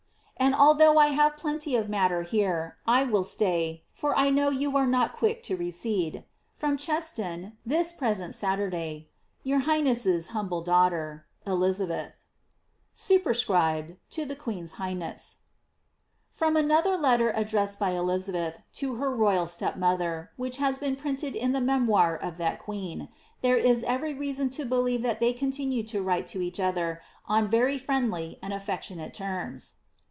tr. 1 nithough I have plenty of matter here. I will stay, for I know you are not V2^ «^ to rede. From Cheston, this present Saturday. ^ Your highness s humble daughter, Elisabeth/' Superscribed —" To the Queen's highness/' Frr>m another letter addressed by Elizabeth to her royal stepmother, vhich has been printed in the memoir of that queen, there is every msnn to believe that they continued to write to each other on very friendly and affectionate terms.